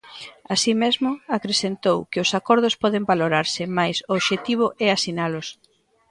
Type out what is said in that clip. Así mesmo, acrecentou que "os acordos poden valorarse" mais "o obxectivo é asinalos".